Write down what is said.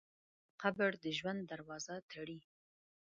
قبر د ژوند دروازه تړوي.